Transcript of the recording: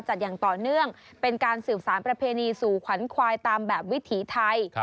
อย่างต่อเนื่องเป็นการสืบสารประเพณีสู่ขวัญควายตามแบบวิถีไทย